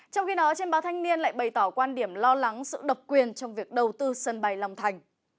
trong khi đó trên báo thanh niên lại bày tỏ quan điểm lo lắng sự độc quyền trong việc đầu tư sân bay long thành